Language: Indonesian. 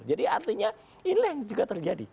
jadi artinya ini yang juga terjadi